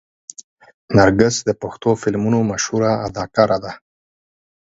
نرګس د پښتو فلمونو مشهوره اداکاره ده.